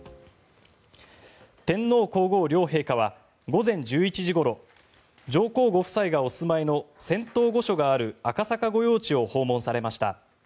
天皇・皇后両陛下は午前１１時ごろ上皇ご夫妻がお住まいの仙洞御所がある赤坂御用地を訪問されました。